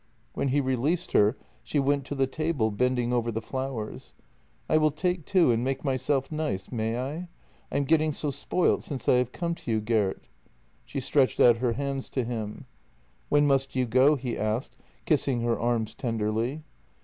When he released her she went to the table, bending over the flowers. " I will take two and make myself nice, may I? I am getting so spoilt since I have come to you, Gert." She stretched out her hands to him. " When must you go? " he asked, kissing her arms tenderly.